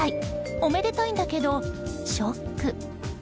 おめでたいんだけどショック。